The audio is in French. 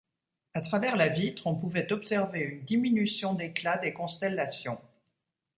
À travers la vitre, on pouvait observer une diminution d’éclat des constellations.